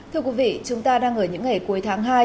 thưa quý vị chúng ta đang ở những ngày cuối tháng hai